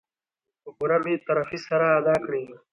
په پوره بې طرفي سره ادا کړي .